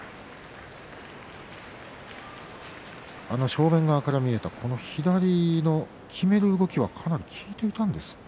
正面側から見えた左のきめる動きがかなり効いてたんですかね。